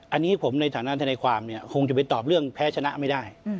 อันนี้ผมในฐานะทนายความเนี่ยคงจะไปตอบเรื่องแพ้ชนะไม่ได้